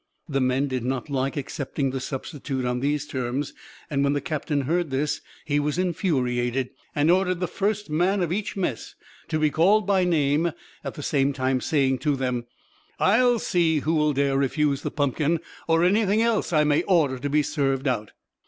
The men did not like accepting the substitute on these terms. When the captain heard this, he was infuriated, and ordered the first man of each mess to be called by name, at the same time saying to them, "I'll see who will dare refuse the pumpkin or anything else I may order to be served out."